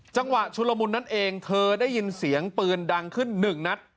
จังหวะชุลมุนนั่นเองเธอได้ยินเสียงปืนดังขึ้นหนึ่งนัด